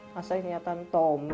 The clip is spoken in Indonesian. masa kenyataan tommy